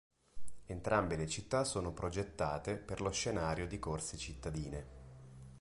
Entrambe le città sono progettate per lo scenario di corse cittadine.